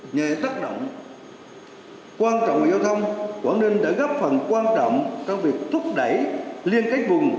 nhờ tác động quan trọng về giao thông quảng ninh đã góp phần quan trọng trong việc thúc đẩy liên kết vùng